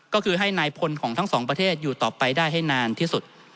ก็คือให้นายพลของทั้งสองประเทศอยู่ต่อไปได้ให้นานที่สุด